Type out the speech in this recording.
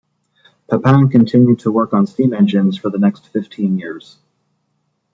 Papin continued to work on steam engines for the next fifteen years.